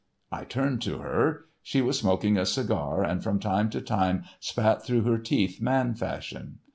I turned to her. She was smoking a cigar, and from time to time spat through her teeth man fashion.